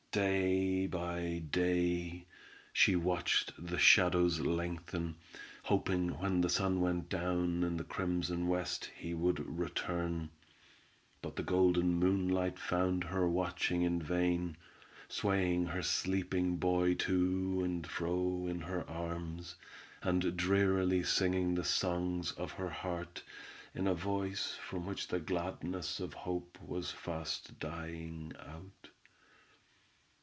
Day by day she watched the shadows lengthen, hoping when the sun went down in the crimson west he would return; but the golden moonlight found her watching in vain, swaying her sleeping boy too and fro in her arms, and drearily singing the song of her heart, in a voice from which the gladness of hope was fast dying out.